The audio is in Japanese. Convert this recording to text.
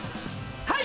はい！